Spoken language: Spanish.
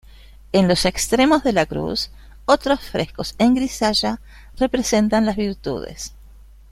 En los extremos de la cruz, otros frescos en grisalla representan las virtudes.